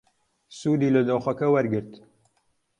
سوودی لە دۆخەکە وەرگرت.